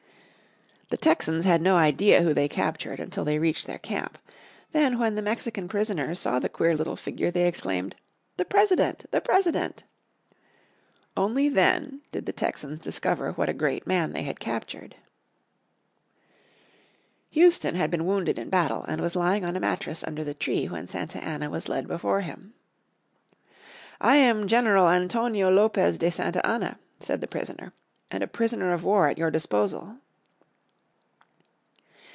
The Texans had no idea who they had captured until they reached their camp. Then when the Mexican prisoners saw the queer little figure they exclaimed, "The President! the President!" Only then did the Texans discover what a great man they had captured. Houston had been wounded in the battle, and was lying on a mattress under the tree when Santa Anna was led before him. "I am General Antonio Lopez de Santa Anna," said the prisoner, "and a prisoner of war at your disposal."